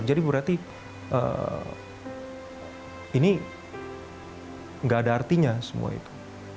jadi berarti ini nggak ada artinya semua itu